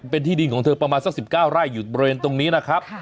เป็นที่ดินของเธอประมาณสัก๑๙ไร่อยู่บริเวณตรงนี้นะครับ